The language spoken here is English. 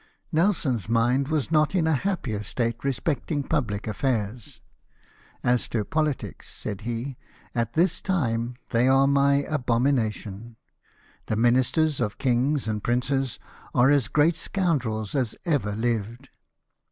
Nelson's mind was not in a happier state respecting public affairs. " As to politics," said he, " at this time they are my abomination ; the ministers of kings and princes ai'e as great scoundrels as ever lived.